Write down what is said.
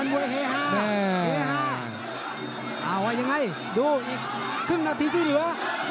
เอาว่ายังไงดูอีกครึ่งนาทีที่เหลือ